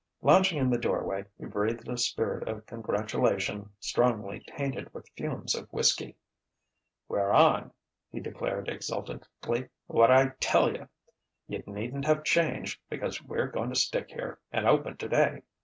Lounging in the doorway, he breathed a spirit of congratulation strongly tainted with fumes of whiskey. "We're on!" he declared exultantly. "What'd I tell you? You needn't have changed, because we're going to stick here, and open today.